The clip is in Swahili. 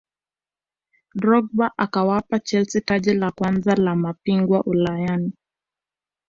drogba akawapa chelsea taji la kwanza la mabingwa ulaya